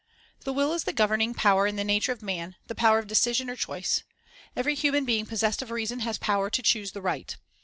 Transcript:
The will is the governing power in the nature of man, the power of decision, or choice. Every human being possessed of reason has power to choose the right.